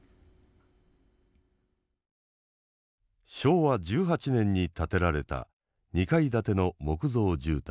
昭和１８年に建てられた２階建ての木造住宅。